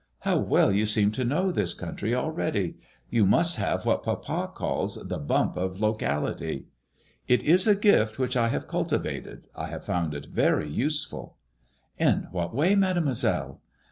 How well you seem to know this country already I You must have what papa calls the bump of locality." It is a gift which I have cultivated. I have found it ver> useful" In what way, Mademoi seUe ?